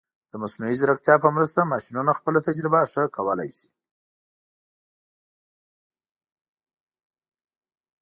د مصنوعي ځیرکتیا په مرسته، ماشینونه خپله تجربه ښه کولی شي.